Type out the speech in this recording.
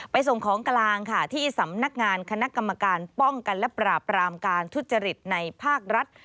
ส่งของกลางค่ะที่สำนักงานคณะกรรมการป้องกันและปราบรามการทุจริตในภาครัฐ